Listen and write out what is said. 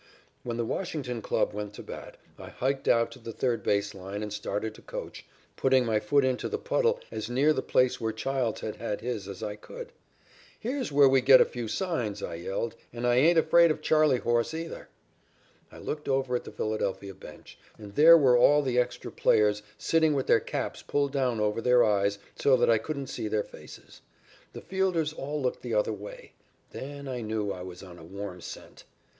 "When the Washington club went to bat I hiked out to the third base line and started to coach, putting my foot into the puddle as near the place where Childs had had his as I could. "'Here's where we get a few signs,' I yelled, 'and I ain't afraid of Charley horse, either.' "I looked over at the Philadelphia bench, and there were all the extra players sitting with their caps pulled down over their eyes, so that I couldn't see their faces. The fielders all looked the other way. Then I knew I was on a warm scent.